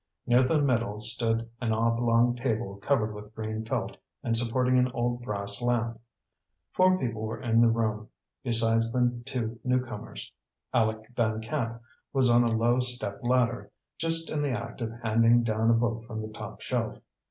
Near the middle stood an oblong table covered with green felt and supporting an old brass lamp. Four people were in the room, besides the two new comers. Aleck Van Camp was on a low step ladder, just in the act of handing down a book from the top shelf.